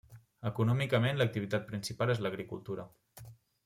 Econòmicament l'activitat principal és l'agricultura.